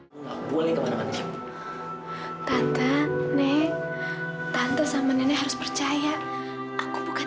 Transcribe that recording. sampai jumpa di video selanjutnya